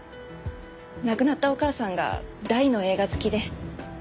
亡くなったお母さんが大の映画好きで。